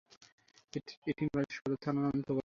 এটি নড়াইল সদর থানার অন্তর্গত।